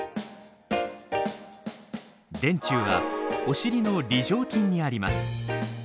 臀中はお尻の梨状筋にあります。